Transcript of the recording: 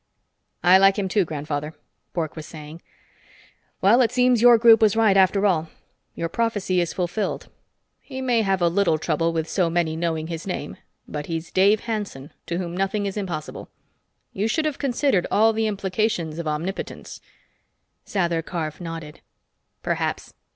"I like him, too, grandfather," Bork was saying. "Well, it seems your group was right, after all. Your prophecy is fulfilled. He may have a little trouble with so many knowing his name, but he's Dave Hanson, to whom nothing is impossible. You should have considered all the implications of omnipotence." Sather Karf nodded. "Perhaps.